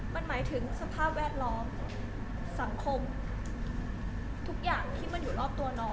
มันหมายถึงสภาพแวดล้อมสังคมทุกอย่างที่มันอยู่รอบตัวน้อง